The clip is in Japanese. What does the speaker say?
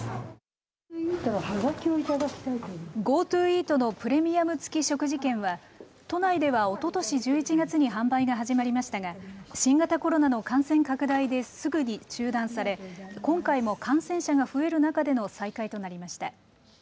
ＧｏＴｏイートのプレミアム付き食事券は都内では、おととし１１月に販売が始まりましたが新型コロナの感染拡大ですぐに中断され今回も感染者が増える中での再開となりました。